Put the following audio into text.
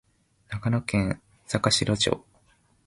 長野県坂城町